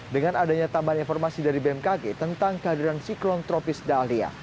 dengan adanya tambahan informasi dari bmkg tentang kehadiran siklon tropis dahlia